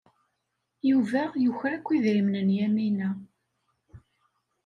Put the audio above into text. Yuba yuker akk idrimen n Yamina.